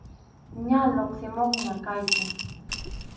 Ña lluqsimuqña kayku.